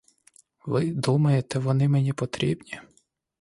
Ви думаєте, вони мені потрібні?